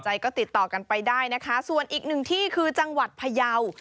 ก็ติดต่อกันไปได้นะคะส่วนอีกหนึ่งที่คือจังหวัดพยาว